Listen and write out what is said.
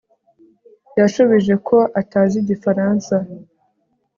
Yashubije ko atazi Igifaransa